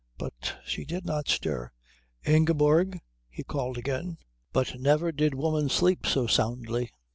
But she did not stir. "Ingeborg!" he called again. But never did woman sleep so soundly.